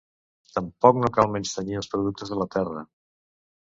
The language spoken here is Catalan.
Tampoc no cal menystenir els productes de la terra